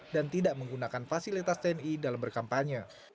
dan tidak menggunakan fasilitas tni dalam berkampanye